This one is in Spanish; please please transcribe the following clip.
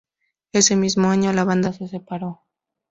Ese mismo año, la banda se separó.